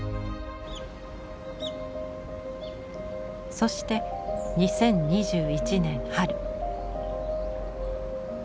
そして２０２１年春。